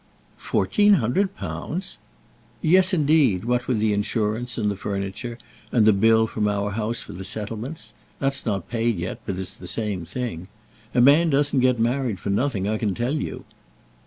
"Fourteen hundred pounds!" "Yes, indeed; what with the insurance and the furniture, and the bill from our house for the settlements. That's not paid yet, but it's the same thing. A man doesn't get married for nothing, I can tell you."